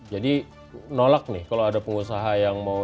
jadi nolak nih kalau ada pengusaha yang mau